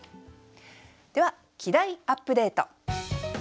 では「季題アップデート」。